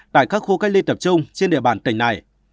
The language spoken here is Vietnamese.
tại các khu cách ly tập trung trên địa bàn tỉnh này